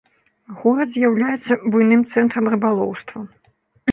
Горад з'яўляецца буйным цэнтрам рыбалоўства.